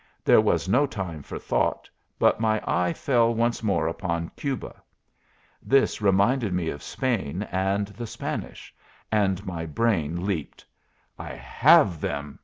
There was no time for thought, but my eye fell once more upon Cuba. This reminded me of Spain, and the Spanish; and my brain leaped. "I have them!"